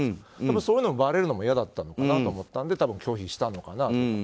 そういうのがばれるのも嫌だったのかなと思ったので拒否したのかなと。